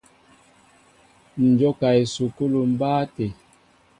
Ǹ jóka esukúlu mbáá tê.